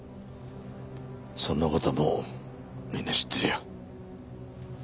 そんな事はもうみんな知ってるよ。